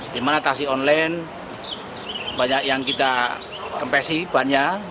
di mana taksi online banyak yang kita kempesi banyak